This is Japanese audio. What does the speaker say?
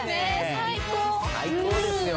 最高ですよ。